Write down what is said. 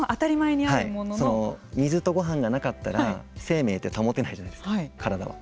水とごはんがなかったら生命って保てないじゃないですか体は。